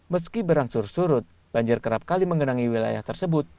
meski berangsur surut banjir kerap kali mengenangi wilayah tersebut